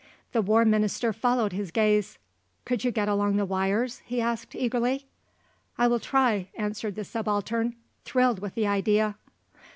The War Minister followed his gaze. "Could you get along the wires?" he asked eagerly. "I will try," answered the Subaltern, thrilled with the idea.